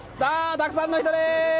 たくさんの人です！